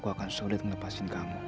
aku akan sulit melepaskan kamu